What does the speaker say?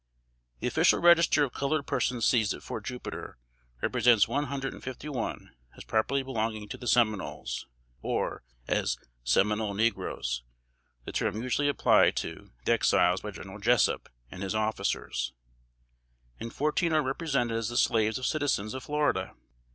The official register of colored persons seized at Fort Jupiter, represents one hundred and fifty one as properly belonging to the Seminoles, or as "Seminole negroes," the term usually applied to the Exiles by General Jessup and his officers; and fourteen are represented as the slaves of citizens of Florida.